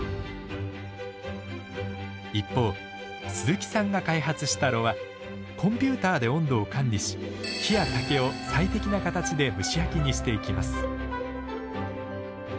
一方鈴木さんが開発した炉はコンピューターで温度を管理し木や竹を最適な形で蒸し焼きにしていきます。